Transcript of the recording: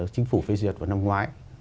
chính phủ phê duyệt vào năm ngoái